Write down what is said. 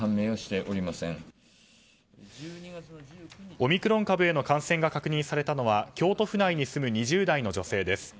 オミクロン株への感染が確認されたのは京都府内に住む２０代の女性です。